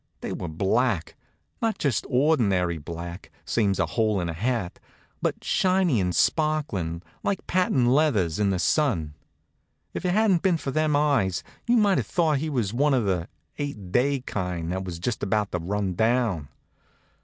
They were black; not just ordinary black, same's a hole in a hat, but shiny an' sparklin', like patent leathers in the sun. If it hadn't been for them eyes you might have thought he was one of the eight day kind that was just about to run down.